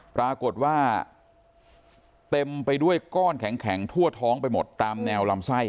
ปรากฏว่าเต็มไปด้วยก้อนแข็งทั่วท้องไปหมดตามแนวลำไส้